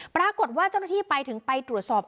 ปรากฏว่าเจ้าหน้าที่ไปถึงไปตรวจสอบ